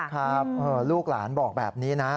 ครับลูกหลานบอกแบบนี้นะ